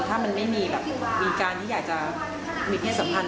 ถ้ามันไม่มีปริการในการที่อยากจะมีเพศสัมพันธ์